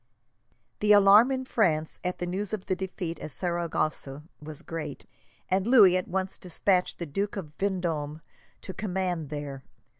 The alarm, in France, at the news of the defeat at Saragossa was great, and Louis at once despatched the Duke of Vendome to command there.